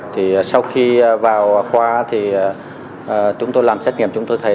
thì sau khi vào khoa thì chúng tôi làm xét nghiệm chúng tôi thấy